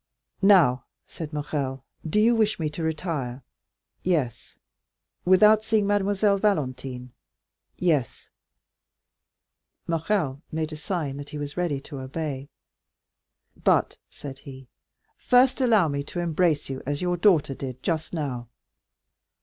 "Now," said Morrel, "do you wish me to retire?" "Yes." "Without seeing Mademoiselle Valentine?" "Yes." Morrel made a sign that he was ready to obey. "But," said he, "first allow me to embrace you as your daughter did just now."